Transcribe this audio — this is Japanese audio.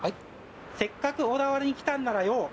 「せっかく小田原に来たんならよぉ」